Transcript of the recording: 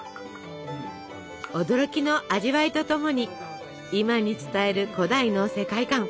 驚きの味わいとともに今に伝える古代の世界観。